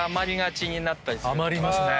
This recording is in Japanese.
余りますね。